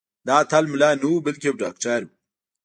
دا اتل ملا نه و بلکې یو ډاکټر و.